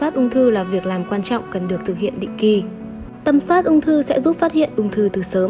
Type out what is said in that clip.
tầm soát ung thư sẽ giúp phát hiện ung thư từ sớm